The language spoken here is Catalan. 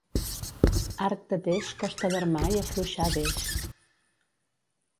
Arc de teix costa d'armar i afluixar deix.